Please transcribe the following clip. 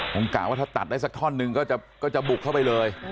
ผมกะว่าถ้าตัดได้สักท่อนหนึ่งก็จะบุกเข้าไปเลย